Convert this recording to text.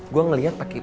gua ngeliat pake